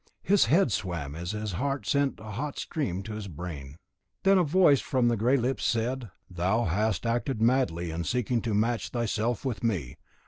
His head swam as his heart sent a hot stream to his brain. Then a voice from the grey lips said "Thou hast acted madly in seeking to match thyself with me.